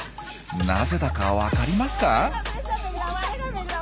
なぜだかわかりますか？